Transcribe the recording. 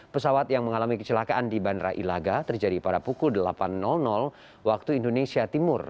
pesawat yang mengalami kecelakaan di bandara ilaga terjadi pada pukul delapan waktu indonesia timur